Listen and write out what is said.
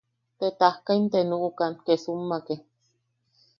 Te tajkaim te nuʼukan Kesummake.